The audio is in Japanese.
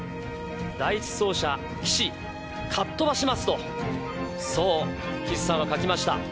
第１走者、岸、かっ飛ばしますと、そう、岸さんは書きました。